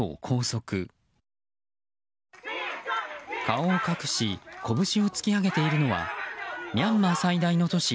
顔を隠し拳を突き上げているのはミャンマー最大の都市